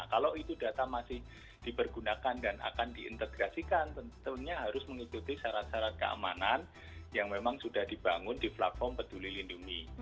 kalau itu data masih dipergunakan dan akan diintegrasikan tentunya harus mengikuti syarat syarat keamanan yang memang sudah dibangun di platform peduli lindungi